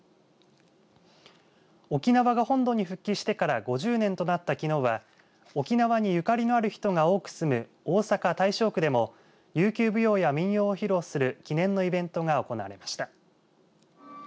沖縄が本土に復帰してから５０年となったきのうは沖縄にゆかりのある人が多く住む大阪・大正区でも琉球舞踊や民謡を披露する記念のイベントが行われました。